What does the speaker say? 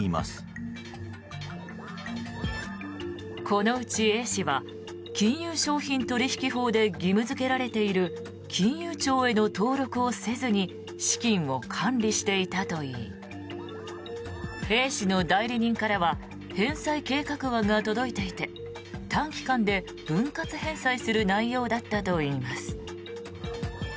このうちＡ氏は金融商品取引法で義務付けられている金融庁への登録をせずに資金を管理していたといいＡ氏の代理人からは返済計画案が届いていて短期間で分割返済する内容だったといいます。